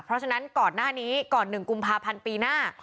เพราะฉะนั้นก่อนหน้านี้ก่อน๑กุมภาพันธ์ปีหน้า